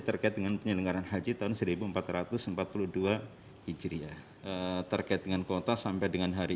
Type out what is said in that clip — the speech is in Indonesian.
terkait dengan penyelenggaran haji tahun seribu empat ratus empat puluh dua hijriah terkait dengan kuota sampai dengan hari